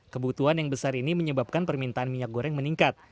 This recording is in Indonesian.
kebutuhan yang besar ini menyebabkan permintaan minyak goreng meningkat